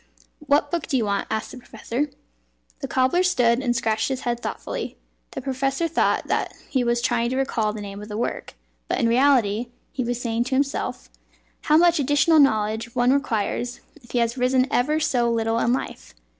"What book do you want?" asked the professor. The cobbler stood and scratched his head thoughtfully. The professor thought that he was trying to recall the name of the work; but in reality he was saying to himself: "How much additional knowledge one requires if he has risen ever so little in life!